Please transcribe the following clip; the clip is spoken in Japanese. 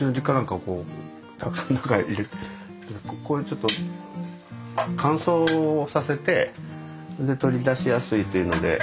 こういうちょっと乾燥をさせてで取り出しやすいというので。